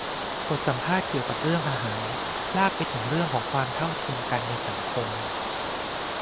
บทสัมภาษณ์เกี่ยวกับเรื่องอาหารลากไปถึงเรื่องของความเท่าเทียมกันในสังคม